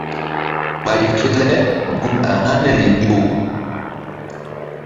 Ɓay fe le gun a haniri ƴo.